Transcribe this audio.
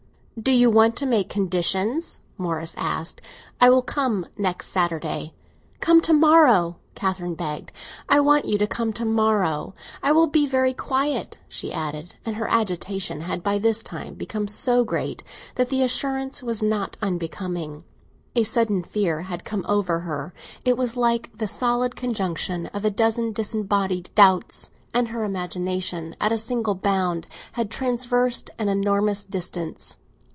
"Do you want to make conditions?" Morris asked. "I will come next Saturday." "Come to morrow," Catherine begged; "I want you to come to morrow. I will be very quiet," she added; and her agitation had by this time become so great that the assurance was not becoming. A sudden fear had come over her; it was like the solid conjunction of a dozen disembodied doubts, and her imagination, at a single bound, had traversed an enormous distance.